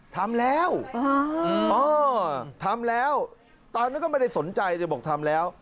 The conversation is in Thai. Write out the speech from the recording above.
ทำแล้วตอนนั้นก็ไม่ได้สนใจแต่บอกทำแล้ว